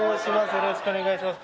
よろしくお願いします